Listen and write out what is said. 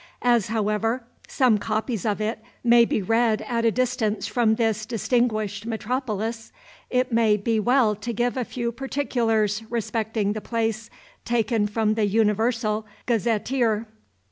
As, however, some copies of it may be read at a distance from this distinguished metropolis, it may be well to give a few particulars respecting the place, taken from the Universal Gazetteer.